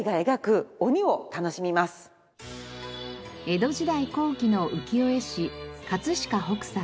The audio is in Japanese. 江戸時代後期の浮世絵師飾北斎。